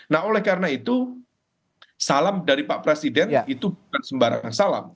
nah oleh karena itu salam dari pak presiden itu bukan sembarang salam